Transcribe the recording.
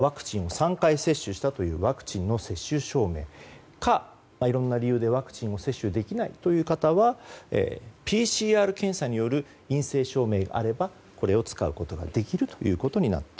それからＶＴＲにもありましたがワクチンを３回接種したというワクチンの接種証明かいろんな理由でワクチンを接種できないという方はＰＣＲ検査による陰性証明があれば使うことができます。